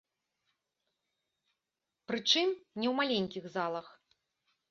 Прычым не ў маленькіх залах.